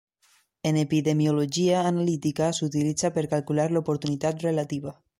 En epidemiologia analítica s'utilitza per calcular l'oportunitat relativa.